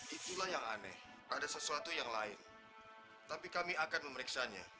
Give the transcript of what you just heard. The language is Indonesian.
itulah yang aneh ada sesuatu yang lain tapi kami akan memeriksanya